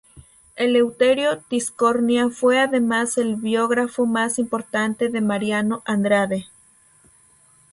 Eleuterio Tiscornia fue además el biógrafo más importante de Mariano Andrade.